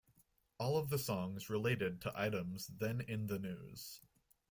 All of the songs related to items then in the news.